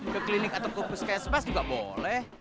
ke klinik atau ke puskesmas juga boleh